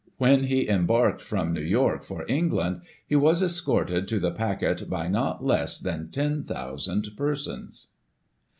When he embarked from New York for England, he was escorted to the packet by not less than 10,000 persons.